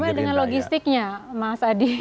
sesuai dengan logistiknya mas adi